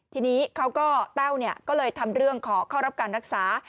ทีนี้เขาก็แต้วก็เลยทำเรื่องขอเข้ารับการรักษา